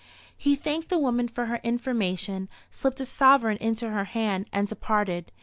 He thanked the woman for her information, slipped a sovereign into her hand, and departed.